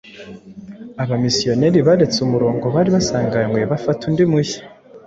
Abamisiyoneri baretse umurongo bari basanganywe, bafata undi mushya: